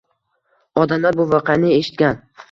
Odamlar bu voqeani eshitgan